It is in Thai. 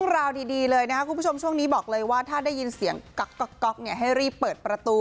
ราวดีเลยนะครับคุณผู้ชมช่วงนี้บอกเลยว่าถ้าได้ยินเสียงก๊อกเนี่ยให้รีบเปิดประตู